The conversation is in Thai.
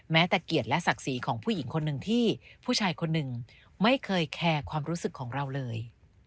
แต่เกียรติและศักดิ์ศรีของผู้หญิงคนหนึ่งที่ผู้ชายคนหนึ่งไม่เคยแคร์ความรู้สึกของเราเลย